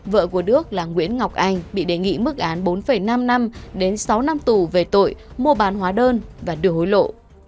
vợ của đức là nguyễn ngọc anh bị đề nghị mức án bốn năm năm đến sáu năm tù về tội mua bán hóa đơn và đưa hối lộ